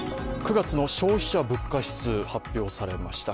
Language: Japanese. ９月の消費者物価指数が発表されました。